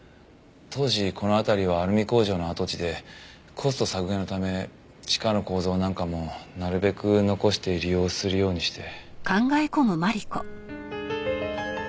当時この辺りはアルミ工場の跡地でコスト削減のため地下の構造なんかもなるべく残して利用するようにして。